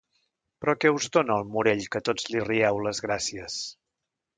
Però què us dóna el Morell que tots li rieu les gràcies?